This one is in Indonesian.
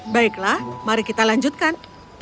baiklah mari kita lanjutkan